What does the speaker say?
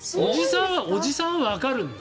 おじさんはわかるのよ。